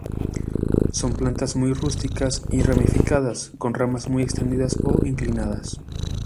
Son plantas muy rústicas y ramificadas, con ramas muy extendidas o inclinadas.